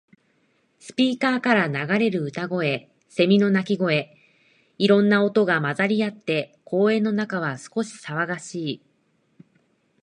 スピーカーから流れる歌声、セミの鳴き声。いろんな音が混ざり合って、公園の中は少し騒がしい。